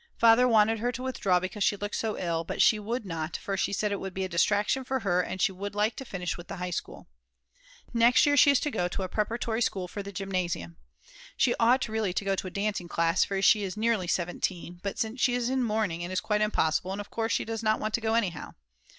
Father wanted her to withdraw because she looks so ill, but she would not for she said it would be a distraction for her and that she would like to finish with the High School. Next year she is to go to a preparatory school for the Gymnasium. She ought really to go to a dancing class, for she is nearly 17, but since she is in mourning it is quite impossible and of course she does not want to go anyhow.